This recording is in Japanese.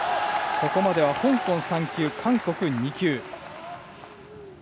ここまで香港が３球韓国、２球。